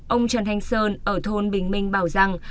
ông trần thanh sơn ở thôn bình minh bảo giang